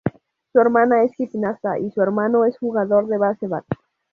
Su hermana es gimnasta y su hermano es jugador de baseball.